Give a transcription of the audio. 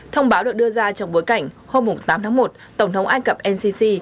thông báo được đưa ra trong bối cảnh hôm tám tháng một tổng thống ai cập ncc